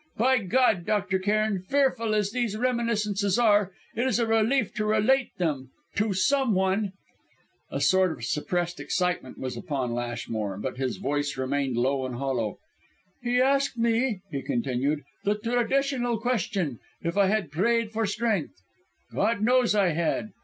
By God! Dr. Cairn fearful as these reminiscences are, it is a relief to relate them to someone!" A sort of suppressed excitement was upon Lashmore, but his voice remained low and hollow. "He asked me," he continued, "the traditional question: if I had prayed for strength. God knows I had!